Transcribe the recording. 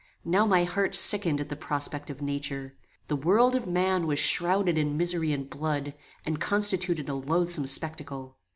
Now my heart sickened at the prospect of nature. The world of man was shrowded in misery and blood, and constituted a loathsome spectacle.